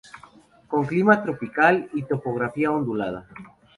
Con clima tropical y topografía ondulada.